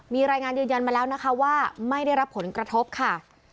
มีรายงานยืนยันมาแล้วนะคะว่าไม่ได้รับผลกระทบค่ะ